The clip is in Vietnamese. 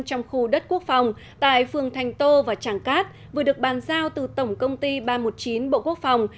trong khu đất quốc phòng tại phường thành tô và tràng cát vừa được bàn giao từ tổng công ty ba trăm một mươi chín bộ quốc phòng